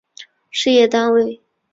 事业单位